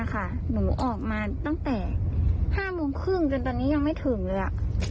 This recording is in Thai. หนูกามงจุดนี้ออกมาตั้งแต่๕โมงครึ่งจนตอนนี้ไม่ถึงเลยอ่ะ